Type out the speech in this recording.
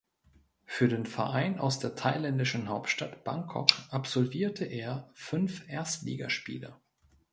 Für den Verein aus der thailändischen Hauptstadt Bangkok absolvierte er fünf Erstligaspiele.